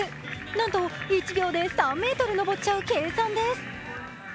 なんと１秒で３ｍ登っちゃう計算です